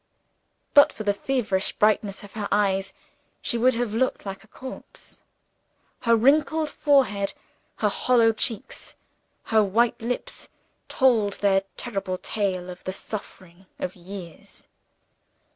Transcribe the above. But for the feverish brightness of her eyes, she would have looked like a corpse. Her wrinkled forehead, her hollow cheeks, her white lips told their terrible tale of the suffering of years.